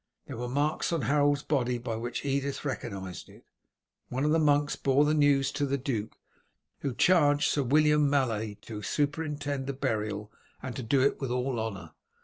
There were marks on Harold's body by which Edith recognized it. One of the monks bore the news to the duke, who charged Sir William Malet to superintend the burial, and to do it with all honour.